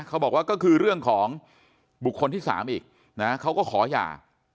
เขาบอกว่าก็คือเรื่องของบุคคลที่๓อีกนะเขาก็ขอหย่า